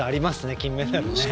金メダル。